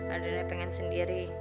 adriana pengen sendiri